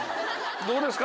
どうですか？